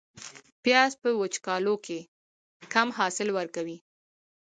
پیاز په وچکالو کې کم حاصل ورکوي